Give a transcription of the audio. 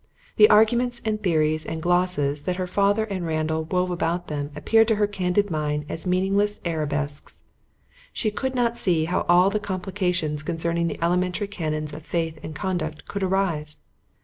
The arguments and theories and glosses that her father and Randall wove about them appeared to her candid mind as meaningless arabesques. She could not see how all the complications concerning the elementary canons of faith and conduct could arise.